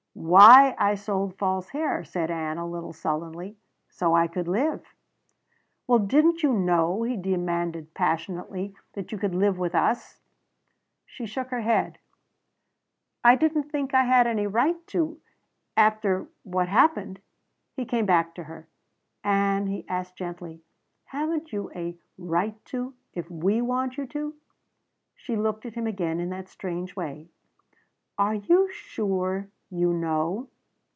"Why I sold false hair," said Ann, a little sullenly, "so I could live." "Well, didn't you know," he demanded passionately, "that you could live with us?" She shook her head. "I didn't think I had any right to after what happened." He came back to her. "Ann," he asked gently, "haven't you a 'right to' if we want you to?" She looked at him again in that strange way. "Are you sure you know?"